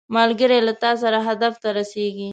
ملګری له تا سره هدف ته رسیږي